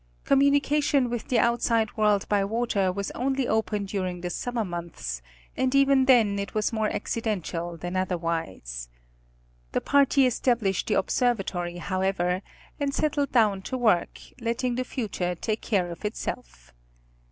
Communication with the outside world by water was only open during the sum mer months, and even then it was more accidental than otherwise. The party established the observatory however, and settled down to work, letting the future take care of itself.